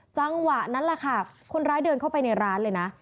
จังหวะนั้นแหละค่ะคนร้ายเดินเข้าไปในร้านเลยนะ